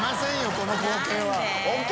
この光景は。何で？